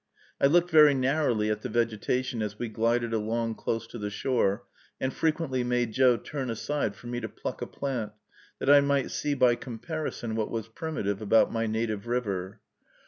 I looked very narrowly at the vegetation, as we glided along close to the shore, and frequently made Joe turn aside for me to pluck a plant, that I might see by comparison what was primitive about my native river.